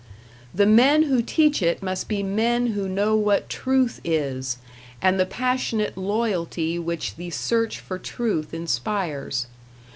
The men who teach it must be men who know what truth is, and the passionate loyalty which the search for truth inspires.